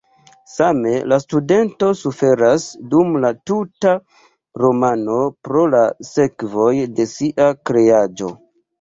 Same la studento suferas dum la tuta romano pro la sekvoj de sia kreaĵo.